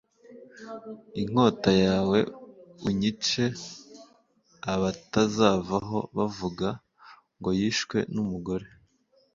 inkota yawe unyice a batazavaho bavuga ngo yishwe n umugore